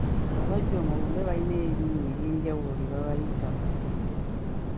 Abajjwa mu lumbe balina erinnya ery'enjawulo lye babayita.